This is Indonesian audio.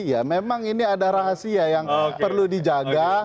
ya memang ini ada rahasia yang perlu dijaga